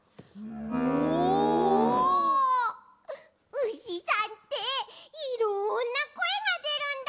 うしさんっていろんなこえがでるんだ。